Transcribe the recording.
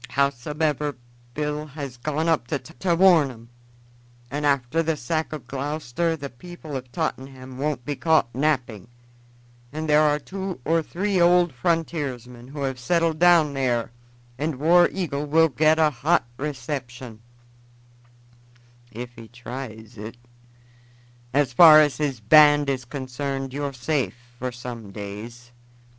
Howsomever, Bill has gone on there to warn 'em, and after the sack of Gloucester the people of Tottenham won't be caught napping, and there are two or three old frontiersmen who have settled down there, and War Eagle will get a hot reception if he tries it. As far as his band is concerned, you're safe for some days.